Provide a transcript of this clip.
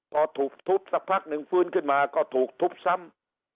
พอถูกทุบสักพักหนึ่งฟื้นขึ้นมาก็ถูกทุบซ้ำ